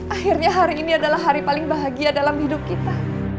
akhirnya hari ini adalah hari paling bahagia dalam hidup kita